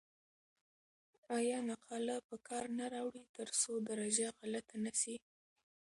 آیا نقاله په کار نه راوړئ ترڅو درجه غلطه نه سی؟